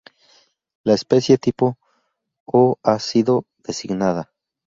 La especie tipo ho ha sido designada.